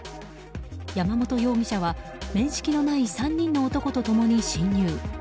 山本容疑者は面識のない３人の男と共に侵入。